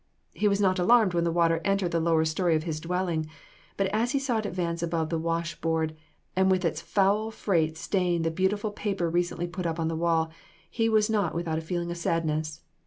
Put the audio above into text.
He was not alarmed when the water entered the lower story of his dwelling, but as he saw it advance above the wash board, and with its foul freight stain the beautiful paper recently put upon the wall, he was not without a feeling of sadness.